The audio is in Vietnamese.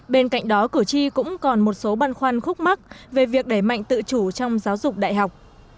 bên cạnh đó cử tri cũng còn một số băn khoăn khúc mắc về việc đẩy mạnh tự chủ trong giáo dục đại học